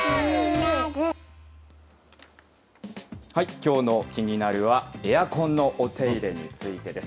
きょうのキニナル！は、エアコンのお手入れについてです。